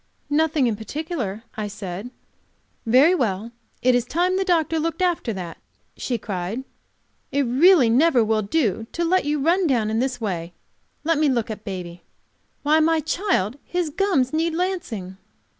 "Nothing in particular," I said. "Very well, it is time the doctor looked after that," she cried. "It really never will do to let you run down in this way. Let me look at baby. Why, my child, his gums need lancing."